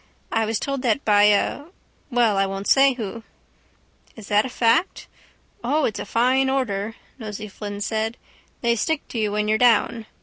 I was told that by a—well, I won't say who. —Is that a fact? —O, it's a fine order, Nosey Flynn said. They stick to you when you're down.